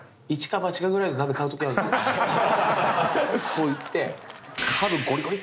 こういって。